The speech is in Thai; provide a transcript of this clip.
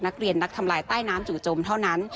นักเรียนนักทำลายใต้น้ำจู่จมเท่านั้น